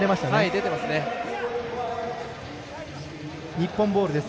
日本ボールです。